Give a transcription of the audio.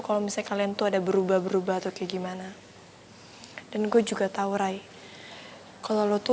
kalau misalnya kalian tuh ada berubah berubah atau kayak gimana dan gue juga taurai kalau lo tuh